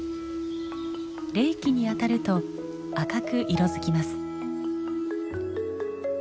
冷気に当たると赤く色づきます。